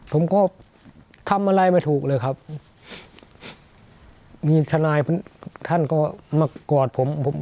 ผมก็ทำอะไรไม่ถูกเลยครับมีทนายท่านก็มากอดผมผม